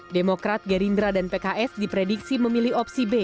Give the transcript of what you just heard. demokrat gerindra dan pks diprediksi memilih opsi b